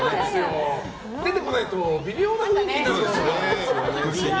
出てこないと微妙な雰囲気になるんです。